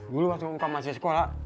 gua langsung ngomong ke masih sekolah